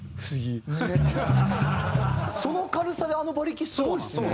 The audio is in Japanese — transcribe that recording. その軽さであの馬力すごいですね。